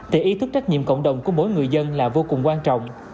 thì ý thức trách nhiệm cộng đồng của mỗi người dân là vô cùng quan trọng